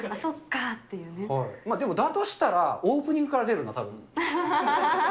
あっ、でもだとしたら、オープニングから出るな、たぶん。